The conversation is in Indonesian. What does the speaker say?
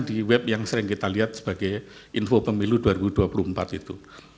di web yang sering kita lihat sebagai info pemilu dua ribu dua puluh empat itu